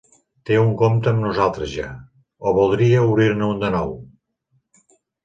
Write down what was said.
Té un compte amb nosaltres ja, o voldria obrir-ne un de nou?